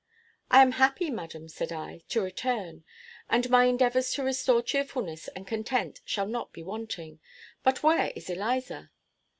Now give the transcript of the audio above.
"I am happy, madam," said I, "to return; and my endeavors to restore cheerfulness and content shall not be wanting. But where is Eliza?"